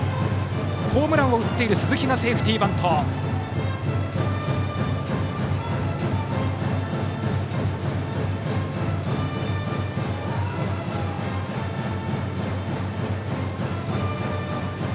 ホームランを打っている鈴木がセーフティーバントできました。